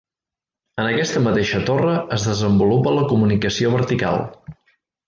En aquesta mateixa torre es desenvolupa la comunicació vertical.